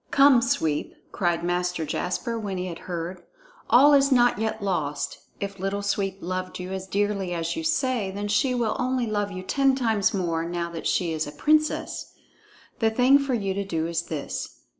"Come, Sweep!" cried Master Jasper when he had heard. "All is not yet lost. If Little Sweep loved you as dearly as you say, then she will only love you ten times more, now that she is a princess! The thing for you to do is this.